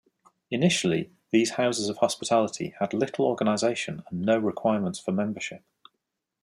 Initially, these houses of hospitality had little organization and no requirements for membership.